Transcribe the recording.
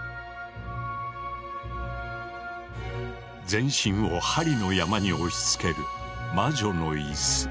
全身を針の山に押しつける魔女の椅子。